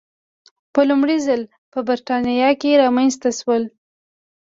په لومړي ځل په برېټانیا کې رامنځته شول.